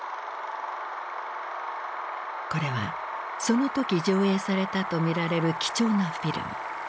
これはその時上映されたとみられる貴重なフィルム。